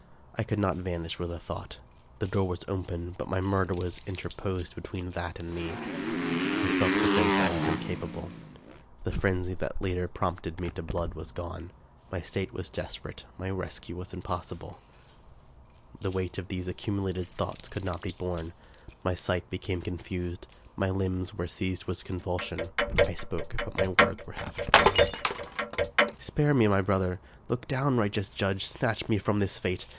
I could not vanish with a thought. The door was open, but my murderer was interposed between that and me. Of self defense I was incapable. The frenzy that lately prompted me to blood was gone : my state was desperate ; my rescue was impossible. The weight of these accumulated thoughts could not be borne. My sight became confused; my limbs were seized with convulsion; I spoke, but my words were half formed :—" Spare me, my brother ! Look down, righteous Judge ! snatch me from this fate